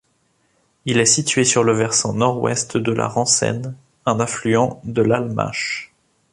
Il est situé sur le versant nord-ouest de la Rancenne, un affluent de l'Almache.